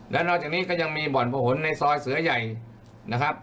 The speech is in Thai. และนอกจากนี้ก็ยังมีบ่อนผนในซอยเสือใหญ่นะครับ